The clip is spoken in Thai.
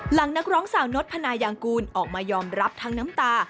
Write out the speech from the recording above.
นักร้องสาวนศพนายางกูลออกมายอมรับทั้งน้ำตา